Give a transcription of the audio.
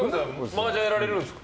マージャンやられるんですか？